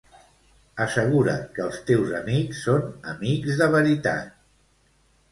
Assegura't que els teus amics són amics de veritat.